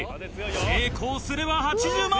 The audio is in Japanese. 成功すれば８０万。